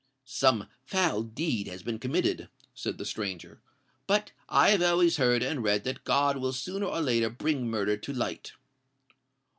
"Some foul deed has been committed," said the stranger; "but I have always heard and read that God will sooner or later bring murder to light."